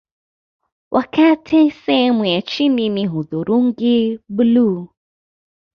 Wakati sehemu ya chini ni hudhurungi bluu